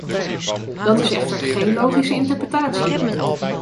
Dat is echter geen logische interpretatie.